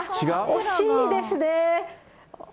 惜しいです。